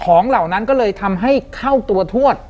เหล่านั้นก็เลยทำให้เข้าตัวทวด